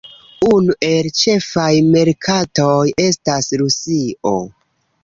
Unu el ĉefaj merkatoj estas Rusio.